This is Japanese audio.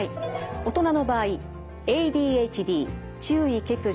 大人の場合ＡＤＨＤ注意欠如